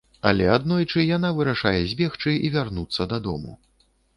Але аднойчы яна вырашае збегчы і вярнуцца дадому.